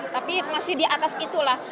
tapi masih di atas itulah